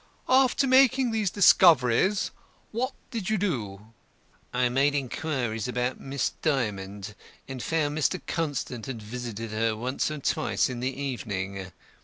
"After making these discoveries what did you do?" "I made inquiries about Miss Dymond, and found Mr. Constant had visited her once or twice in the evening.